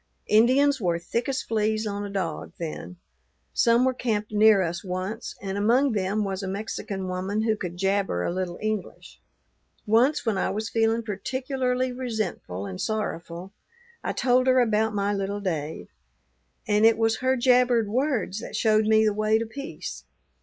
"Indians were thick as fleas on a dog then; some were camped near us once, and among them was a Mexican woman who could jabber a little English. Once, when I was feeling particularly resentful and sorrowful, I told her about my little Dave; and it was her jabbered words that showed me the way to peace.